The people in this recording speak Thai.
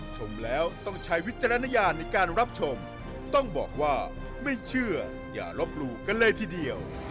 ชมแล้วต้องใช้วิจารณญาณในการรับชมต้องบอกว่าไม่เชื่ออย่าลบหลู่กันเลยทีเดียว